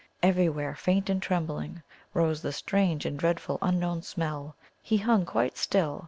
Everywhere, faint and trembling, rose the strange and dreadful unknown smell. He hung quite still.